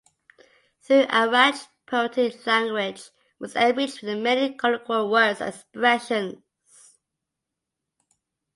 Through Iraj, poetic language was enriched with many colloquial words and expressions.